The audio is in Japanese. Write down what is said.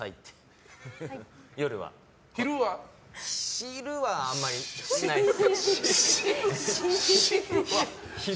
昼はあんまりしないです。